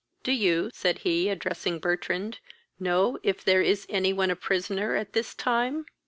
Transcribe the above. Do you (said he, addressing Bertrand) know if there is any one a prisoner at this time?"